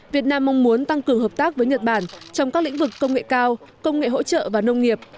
việt nam mong muốn tăng cường hợp tác với nhật bản trong các lĩnh vực công nghệ cao công nghệ hỗ trợ và nông nghiệp